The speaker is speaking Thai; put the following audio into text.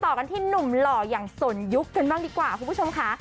ต่อกันที่หนุ่มหล่ออย่างสนยุคกันบ้างดีกว่าคุณผู้ชมค่ะ